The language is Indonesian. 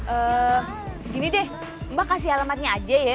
eh gini deh mbak kasih alamatnya aja ya